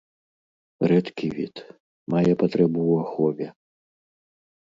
Рэдкі від, мае патрэбу ў ахове.